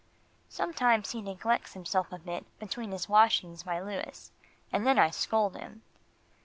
Sometimes he neglects himself a bit between his washings by Louis, and then I scold him.